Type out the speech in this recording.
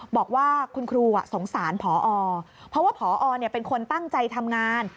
บอกว่าคุณครูสงสารพอเพราะว่าพอเป็นคนตั้งใจทำงาน